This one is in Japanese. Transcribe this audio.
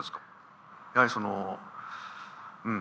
やはりそのうん。